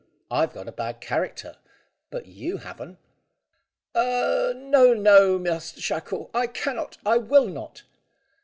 I've got a bad character, but you haven't." "No, no, Master Shackle; I cannot; I will not."